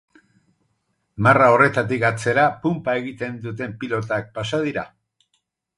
Marra horretatik atzera punpa egiten duten pilotak pasa dira.